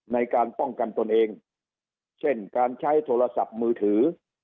ในการป้องกันตนเองเช่นการใช้โทรศัพท์มือถือ